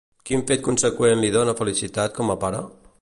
Quin fet conseqüent li dona felicitat com a pare?